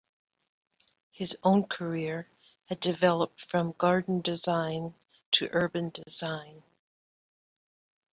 His own career had developed from garden design to urban design.